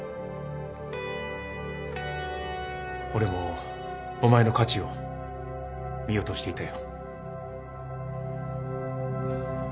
俺もお前の価値を見落としていたよ。